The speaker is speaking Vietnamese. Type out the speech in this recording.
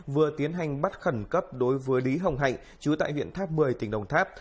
vừa tiến hành bắt khẩn cấp đối với lý hồng hạnh chú tại huyện tháp một mươi tỉnh đồng tháp